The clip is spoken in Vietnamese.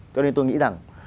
cho nên tôi nghĩ rằng